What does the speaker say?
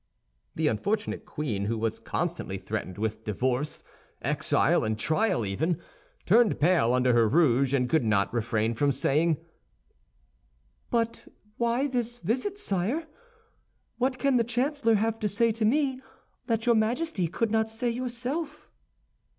The unfortunate queen, who was constantly threatened with divorce, exile, and trial even, turned pale under her rouge, and could not refrain from saying, "But why this visit, sire? What can the chancellor have to say to me that your Majesty could not say yourself?"